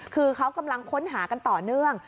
คือเขากำลังค้นหากันต่อเนื่อง